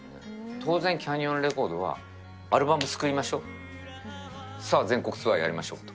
当然、キャニオンレコードは、アルバム作りましょう、さあ、全国ツアーやりましょうと。